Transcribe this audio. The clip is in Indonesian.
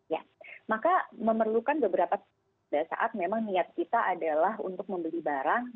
ya maka memerlukan beberapa saat memang niat kita adalah untuk membeli barang